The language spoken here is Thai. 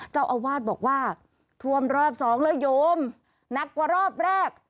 เจ้าอาวาสบอกว่าท่วมรอบสองแล้วโยมหนักกว่ารอบแรก